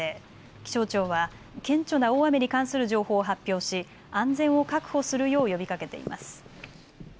気象庁は顕著な大雨に関する情報を発表し安全を確保するよう呼びかけています。